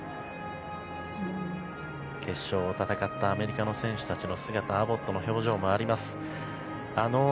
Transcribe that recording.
決勝を戦ったアメリカの選手たちの姿アボットの表情もあります。